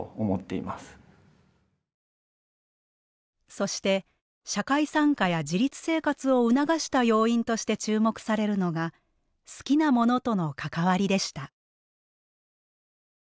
そして社会参加や自立生活を促した要因として注目されるのが好きなものとの関わりでした。